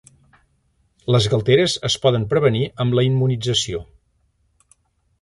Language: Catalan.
Les galteres es poden prevenir amb la immunització.